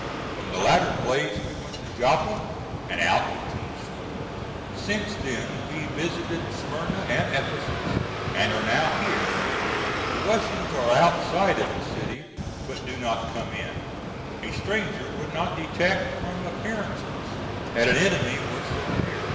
From the latter place we went to Joppa and out to Jerusalem. Since then we visited Smyrna and Ephesus and are now here. The Russians are outside of the city but do not come in. A stranger would not detect from appearances that an enemy was so near.